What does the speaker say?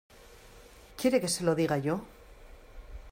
¿ quiere que se lo diga yo?